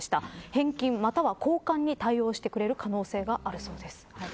返金または交換に対応してくれる可能性があるそうです。